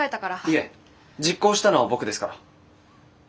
いえ実行したのは僕ですから。